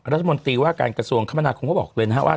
รัฐมนตรีว่าการกระทรวงคมนาคมก็บอกเลยนะครับว่า